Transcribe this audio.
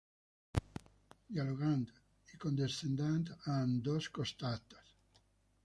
Dialogant i condescendent a ambdós costats.